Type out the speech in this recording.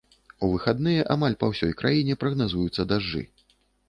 У выхадныя амаль па ўсёй краіне прагназуюцца дажджы.